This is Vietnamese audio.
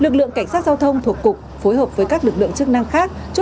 lực lượng cảnh sát giao thông thuộc cục phối hợp với các lực lượng chức năng khác